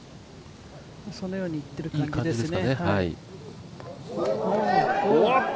そのようにいっている感じですね。